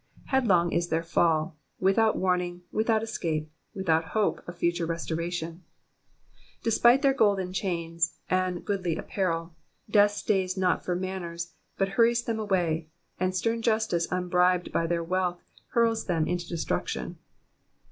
Headlong is their fall ; without warning, without escape, without hope of future restoration ! Despite their golden chains, and goodly apparel, death stays not for manners but hurries them away ; and stern justice unbribed by their wealth hurls them into destruction.